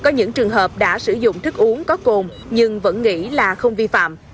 có những trường hợp đã sử dụng thức uống có cồn nhưng vẫn nghĩ là không vi phạm